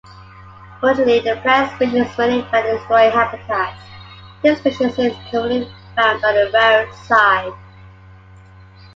Originally a plant species mainly found in destroyed habitats, today the species is commonly found on the roadside.